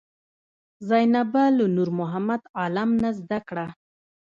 زینبه له نورمحمد عالم نه زده کړه.